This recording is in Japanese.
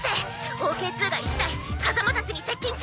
ＯＫ−２が１台カザマたちに接近中！」